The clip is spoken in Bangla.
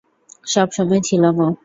সব সময় ছিলামও।